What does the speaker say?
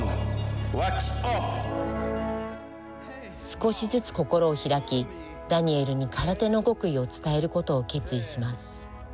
少しずつ心を開きダニエルに空手の極意を伝えることを決意します。